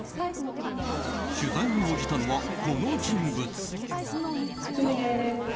取材に応じたのはこの人物。